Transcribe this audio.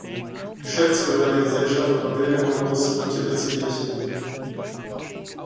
Geschäftsführer der Gesellschaft war Wilhelm August von Tippelskirch.